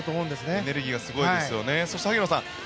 エネルギーがすごいですよね。